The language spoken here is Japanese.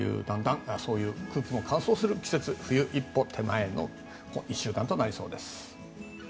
空気も乾燥する季節冬一歩手前の１週間となりそうです。